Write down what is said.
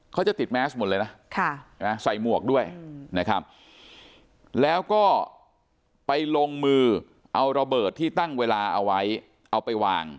เขาจะติดแมสหมดเลยนะใส่หมวกด้วยนะครับแล้วก็ไปลงมือเอาระเบิดที่ตั้งเวลาเอาไว้เอาไปวาง